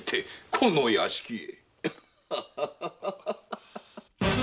この屋敷へ。